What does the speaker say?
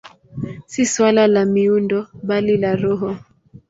Si suala la miundo, bali la roho.